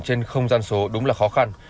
trên không gian số đúng là khó khăn